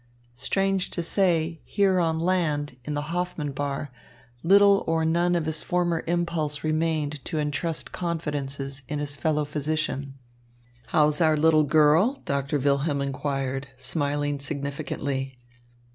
Strange to say, here on land, in the Hoffman bar, little or none of his former impulse remained to entrust confidences to his fellow physician. "How's our little girl?" Doctor Wilhelm inquired, smiling significantly.